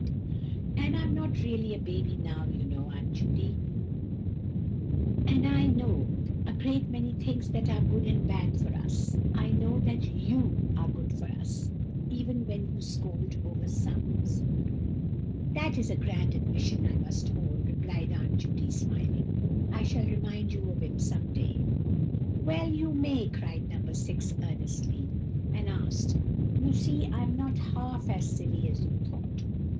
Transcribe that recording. "And I'm not really a baby now, you know, Aunt Judy! And I do know a great many things that are good and bad for us. I know that you are good for us, even when you scold over sums." "That is a grand admission, I must own," replied Aunt Judy, smiling; "I shall remind you of it some day." "Well, you may," cried No. 6, earnestly; and added, "you see I'm not half as silly as you thought."